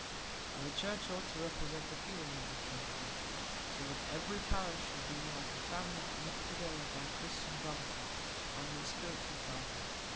And the Church ought to represent the feeling of the community, so that every parish should be a family knit together by Christian brotherhood under a spiritual father.